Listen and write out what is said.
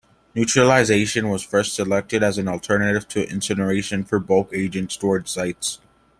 "Neutralization" was first selected as an alternative to incineration for bulk agent storage sites.